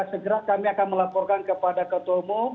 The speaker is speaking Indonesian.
segera kami akan melaporkan kepada ketua umum